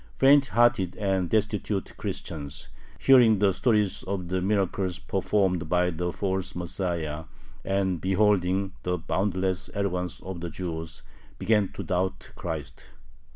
Faint hearted and destitute Christians, hearing the stories of the miracles performed by the false Messiah and beholding the boundless arrogance of the Jews, began to doubt Christ.